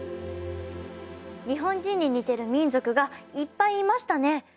日本人に似てる民族がいっぱいいましたね！